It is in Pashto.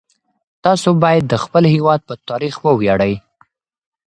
تاسو باید د خپل هیواد په تاریخ وویاړئ.